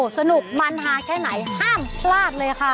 สนุกมันฮาแค่ไหนห้ามพลาดเลยค่ะ